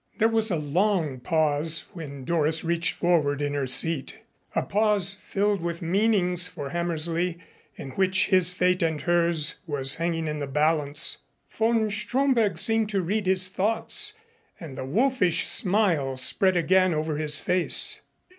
There was a long pause when Doris reached forward in her seat. A pause filled with meanings for Hammersley, in which his fate and hers, was hanging in the balance. Von Stromberg seemed to read his thoughts, and the wolfish smile spread again over his face.